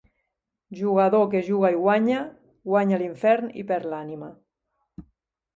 Jugador que juga i guanya, guanya l'infern i perd l'ànima.